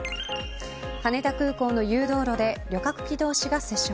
羽田空港の誘導路で旅客機同士が接触。